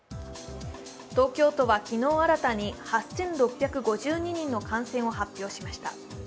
東京都は昨日新たに８６５２人の感染を発表しました。